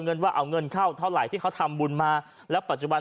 ว่าเอาเงินเข้าเท่าไหร่ที่เขาทำบุญมาแล้วปัจจุบัน